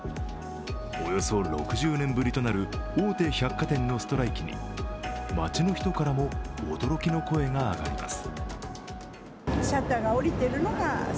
およそ６０年ぶりとなる大手百貨店のストライキに街の人からも驚きの声が上がります。